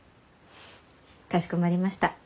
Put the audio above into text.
かしこまりました。